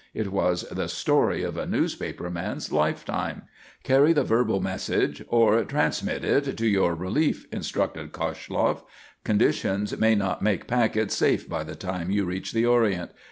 It was the story of a newspaper man's lifetime. "Carry the verbal message, or transmit it to your relief," instructed Koshloff. "Conditions may not make packets safe by the time you reach the Orient.